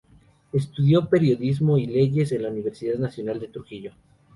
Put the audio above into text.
Estudió periodismo y leyes en la Universidad Nacional de Trujillo.